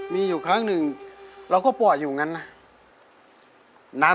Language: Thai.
มีอยู่ครั้งหนึ่งเราก็ปล่อยอยู่อย่างนั้น